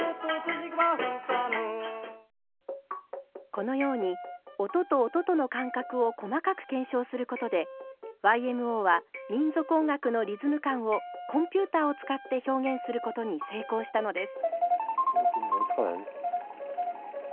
このように音と音との間隔を細かく検証することでＹＭＯは民族音楽のリズム感をコンピューターを使って表現することに成功したのです。